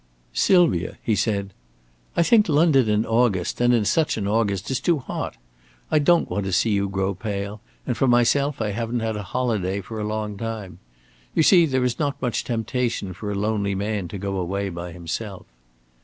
"Sylvia," he said, "I think London in August, and in such an August, is too hot. I don't want to see you grow pale, and for myself I haven't had a holiday for a long time. You see there is not much temptation for a lonely man to go away by himself."